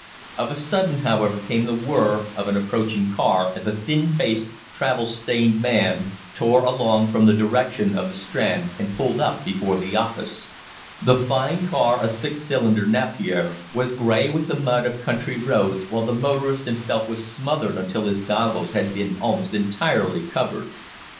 Of a sudden, however, came the whirr r of an approaching car, as a thin faced, travel stained man tore along from the direction of the Strand and pulled up before the office. The fine car, a six cylinder "Napier," was grey with the mud of country roads, while the motorist himself was smothered until his goggles had been almost entirely covered.